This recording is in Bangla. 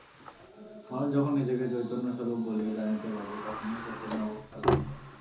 মানুষ যখন নিজেকে চৈতন্যস্বরূপ বলিয়া জানিতে পারে, তখনই সে পূর্ণাবস্থা লাভ করে।